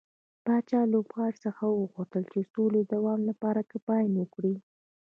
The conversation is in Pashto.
پاچا لوبغاړو څخه وغوښتل چې د سولې د دوام لپاره کمپاين وکړي.